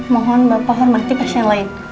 mohon bapak hormati pasien lain